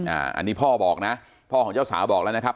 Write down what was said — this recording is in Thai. อันนี้พ่อบอกนะพ่อของเจ้าสาวบอกแล้วนะครับ